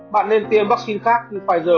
bạn nên tiêm vắc xin khác như pfizer